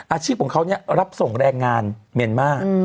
อาชีพของเขารับส่งแรงงานเมียนมาร์